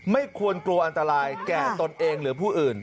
ไม่ควรกลัวอันตรายแก่ตนเองหรือผู้อื่น